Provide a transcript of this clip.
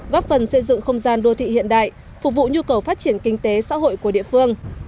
góp phần xây dựng không gian đô thị hiện đại phục vụ nhu cầu phát triển kinh tế xã hội của địa phương